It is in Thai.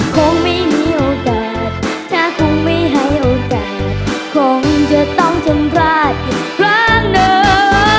คงไม่มีโอกาสถ้าคงไม่ให้โอกาสคงจะต้องจำพลาดอีกครั้งนะ